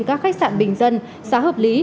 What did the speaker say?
các khách sạn bình dân xã hợp lý